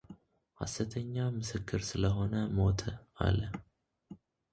ሃሰተኛ ምስክር ስለሆነ ሞተ አለ፡፡